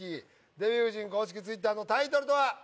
デヴィ夫人公式Ｔｗｉｔｔｅｒのタイトルとは？